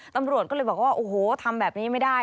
ตำรวจก็เลยบอกว่าโอ้โหทำแบบนี้ไม่ได้